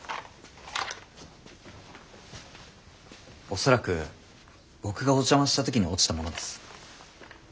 恐らく僕がお邪魔した時に落ちたものです。